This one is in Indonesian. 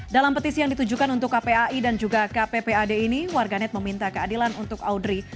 dalam petisi yang ditujukan untuk kpai dan juga kppad ini warganet meminta keadilan untuk audrey